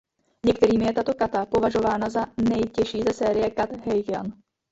Některými je tato kata považována za nejtěžší ze série kat Heian.